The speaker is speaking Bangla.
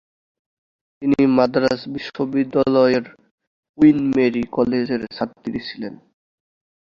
তিনি মাদ্রাজ বিশ্ববিদ্যালয়ের কুইন মেরি কলেজের ছাত্রী ছিলেন।